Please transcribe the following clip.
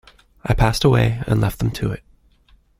I passed away and left them to it.